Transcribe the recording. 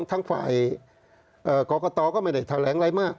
ทั้งฝ่ายกรกตก็ไม่ได้แถลงอะไรมาก